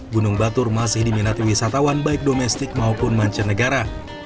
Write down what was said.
gunung batur masih diminati wisatawan baik domestik maupun mancanegara